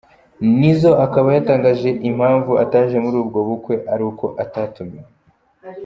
Nizzo akaba yatangaje ko impamavu ataje muri ubwo bukwe ari uko atatumiwe.